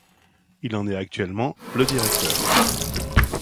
Il en est actuellement le directeur.